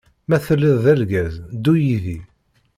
Ma teliḍ d-argaz ddu yidi.